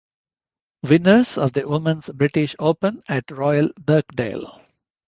Winners of the Women's British Open at Royal Birkdale.